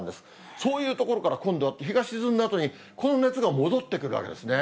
そういう所から今度は日が沈んだあとに、この熱が戻ってくるわけですね。